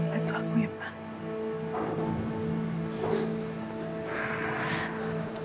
bantu aku ya pan